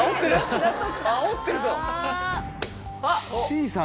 あおってるぞ！